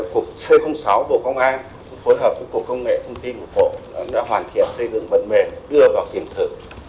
cục c sáu bộ công an phối hợp với cục công nghệ thông tin bộ cộng đã hoàn thiện xây dựng vận mệnh đưa vào kiểm thử